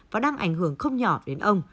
và đang ảnh hưởng không nhỏ đến ông